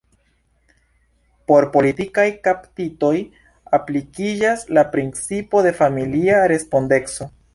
Por politikaj kaptitoj aplikiĝas la principo de familia respondeco.